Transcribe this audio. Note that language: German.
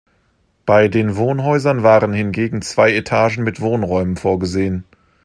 Bei den Wohnhäusern waren hingegen zwei Etagen mit Wohnräumen vorgesehen.